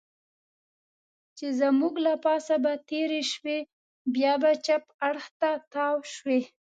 چې زموږ له پاسه به تېرې شوې، بیا به چپ اړخ ته تاو شوې.